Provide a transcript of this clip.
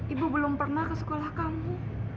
ibu belum pernah ke sekolah kamu